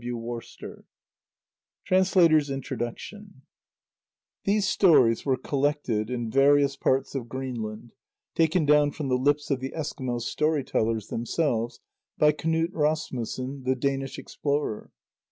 2 Copenhagen Christiania 1921 INTRODUCTION These stories were collected in various parts of Greenland, taken down from the lips of the Eskimo story tellers themselves, by Knud Rasmussen, the Danish explorer.